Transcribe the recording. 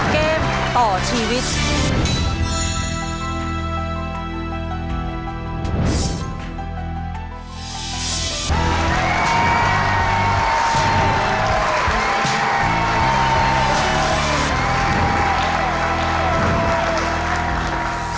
เกมต่อชีวิต